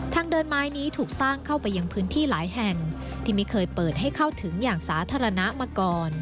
ทางเดินไม้นี้ถูกสร้างเข้าไปยังพื้นที่หลายแห่งที่ไม่เคยเปิดให้เข้าถึงอย่างสาธารณะมาก่อน